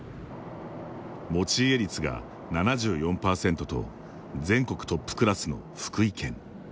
持ち家率が７４％と全国トップクラスの福井県。